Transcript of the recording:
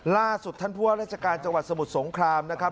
ล่าสุดท่านผู้ว่าราชการจังหวัดสมุทรสงครามนะครับ